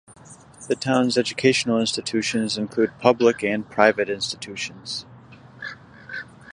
The town's educational institutions include public and private institutions.